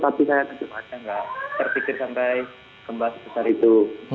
tapi saya masih tidak terpikir sampai gempa besar itu